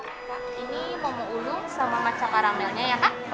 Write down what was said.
pak ini momo ulung sama maca karamelnya ya kak